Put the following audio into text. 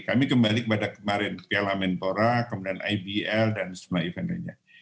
kami kembali kepada kemarin piala menpora kemudian ibl dan semua event lainnya